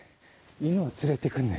犬を連れてくるんですよ。